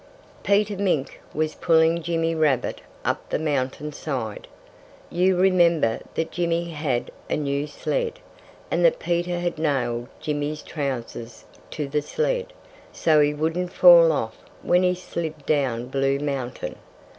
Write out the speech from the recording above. Peter Mink was pulling Jimmy Rabbit up the mountainside. You remember that Jimmy had a new sled, and that Peter had nailed Jimmy's trousers to the sled, so he wouldn't fall off when he slid down Blue Mountain.